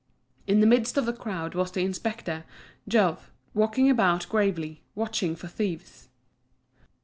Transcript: In the midst of the crowd was the inspector, Jouve, walking about gravely, watching for thieves.